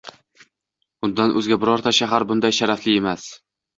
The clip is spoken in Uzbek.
Undan o‘zga birorta shahar bunday sharafli emas.